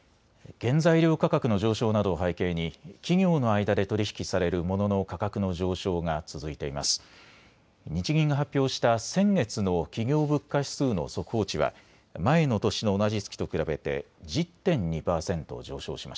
原材料価格の上昇などを背景に企業の間で取り引きされるモノの価格の上昇が続いています。